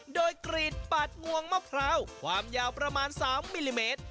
โดยกรีดปัดงวงมะพร้าวความยาวประมาณ๓มิลลิเมตร